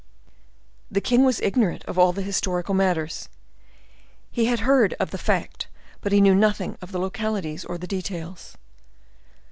The king was ignorant of all historical matters; he had heard of the fact, but he knew nothing of the localities or the details.